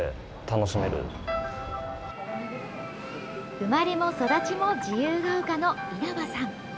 生まれも育ちも自由が丘の稲葉さん。